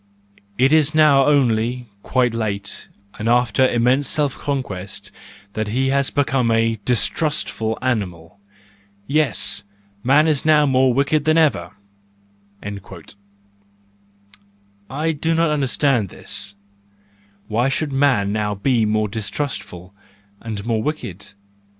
It is now only, quite late, and after an immense self conquest, that he has become a distrustful animal,—yes ! man is now more wicked than ever."—I do not understand this; why should man now be more distrustful and more wicked?